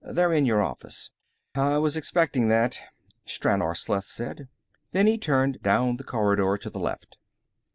They're in your office." "Uh huh; I was expecting that," Stranor Sleth nodded. Then he turned down the corridor to the left.